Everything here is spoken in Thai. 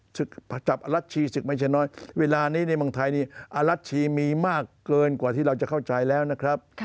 จับอรัชชีศึกไม่ใช่น้อยเวลานี้ในเมืองไทยนี่อรัชชีมีมากเกินกว่าที่เราจะเข้าใจแล้วนะครับ